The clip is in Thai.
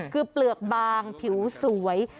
คือเปลือกบางผิวสวย